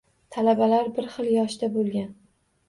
Talabalar bir xil yoshda bo'lgan.